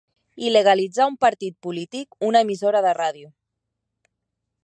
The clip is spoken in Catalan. Il·legalitzar un partit polític, una emissora de ràdio.